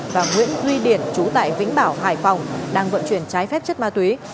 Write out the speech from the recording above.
và nguyễn duy điển trú tại vĩnh bảo hải phòng đang vận chuyển trái phép chất ma túy